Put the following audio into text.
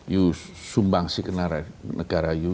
you sumbangsi ke negara you